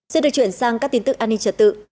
xin được chuyển sang các tin tức an ninh trật tự